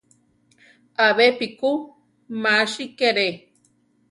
Abepi ku másikere.